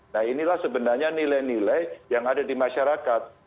nah inilah sebenarnya nilai nilai yang ada di masyarakat